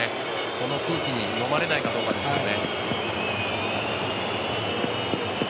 この空気にのまれないかですね。